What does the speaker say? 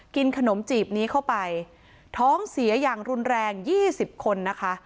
กินขนมจีบนี้เข้าไปท้องเสียอย่างรุนแรง๒๐คนนะคะ